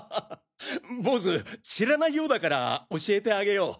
ボウズ知らないようだから教えてあげよう。